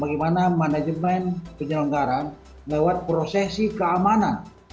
bagaimana manajemen penyelenggara lewat prosesi keamanan